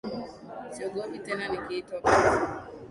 Siogopi tena nikiitwa kufa,